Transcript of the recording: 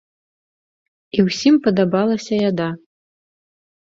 І ўсім падабалася яда.